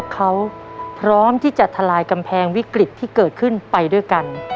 เขาพร้อมที่จะทลายกำแพงวิกฤตที่เกิดขึ้นไปด้วยกัน